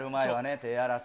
手洗って。